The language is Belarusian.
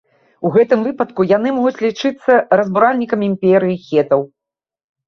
У гэтым выпадку, яны могуць лічыцца разбуральнікамі імперыі хетаў.